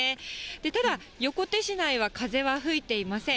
ただ横手市内は風は吹いていません。